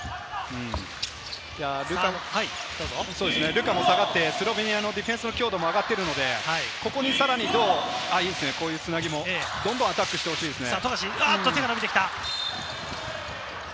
ルカも下がってスロベニアのディフェンスの強度も上がっているので、ここでさらにどんどんアタックしてほしいですね。